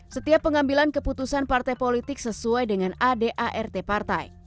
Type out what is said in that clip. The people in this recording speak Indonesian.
setiap pengambilan keputusan partai politik sesuai dengan adart partai